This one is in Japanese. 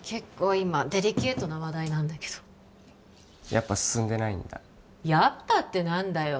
今デリケートな話題なんだけどやっぱ進んでないんだ「やっぱ」って何だよ